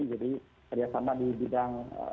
jadi kerjasama di bidang